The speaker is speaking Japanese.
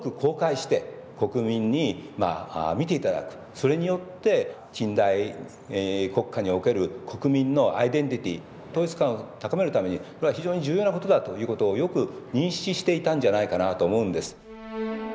それによって近代国家における国民のアイデンティティー統一感を高めるためにこれは非常に重要なことだということをよく認識していたんじゃないかなと思うんです。